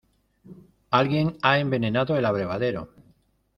¡ Alguien ha envenenado el abrevadero!